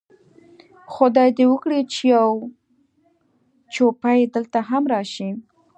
خدای دې وکړي چې یو جوپه یې دلته هم راشي.